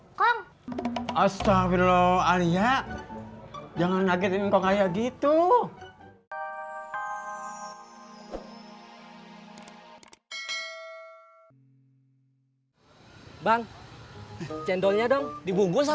hai kong astaghfirullahalaiha jangan lagi minggu kayak gitu bang cendolnya dong dibungkus